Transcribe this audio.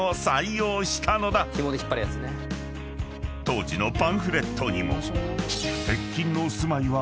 ［当時のパンフレットにも］